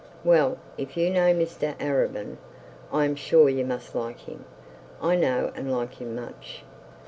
'Well; if you know Mr Arabin, I am sure you must like him. I know and like him much.